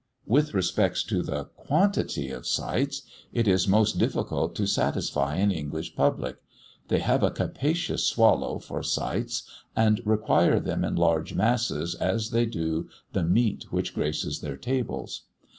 With respect to the quantity of sights, it is most difficult to satisfy an English public. They have "a capacious swallow" for sights, and require them in large masses as they do the meat which graces their tables.